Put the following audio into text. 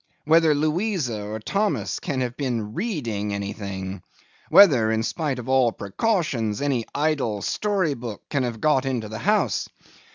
Whether Louisa or Thomas can have been reading anything? Whether, in spite of all precautions, any idle story book can have got into the house?